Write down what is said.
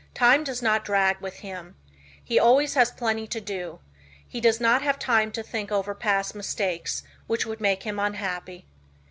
Time does not drag with him. He always has plenty to do. He does not have time to think over past mistakes, which would make him unhappy.